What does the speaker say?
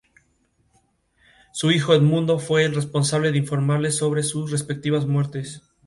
Su hijo Edmundo fue el responsable de informarle sobre sus respectivas muertes.